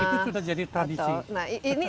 nah itu sudah jadi tradisi